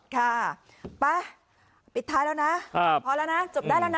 ค่ะไปปิดท้ายแล้วนะพอแล้วนะจบได้แล้วนะ